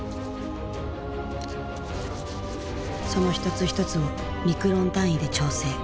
その一つ一つをミクロン単位で調整。